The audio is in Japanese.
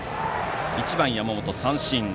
１番、山本を三振。